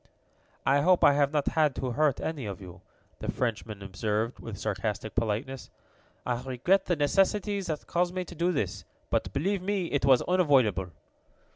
"I hope I have not had to hurt any of you," the Frenchman observed, with sarcastic politeness. "I regret the necessity that caused me to do this, but, believe me, it was unavoidable."